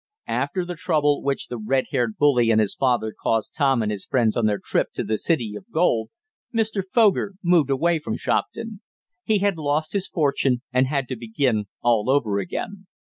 After the trouble which the red haired bully and his father caused Tom and his friends on their trip to the city of gold, Mr. Foger moved away from Shopton. He had lost his fortune and had to begin all over again.